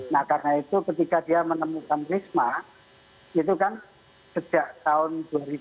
nah karena itu ketika dia menemukan risma itu kan sejak tahun dua ribu